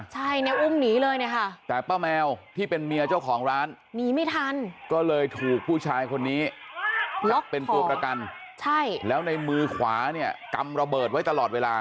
หลักเป็นตัวประกันใช่แล้วในมือขวาเนี่ยกำระเบิดไว้ตลอดเวลา